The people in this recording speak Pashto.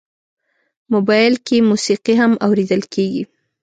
موبایل کې موسیقي هم اورېدل کېږي.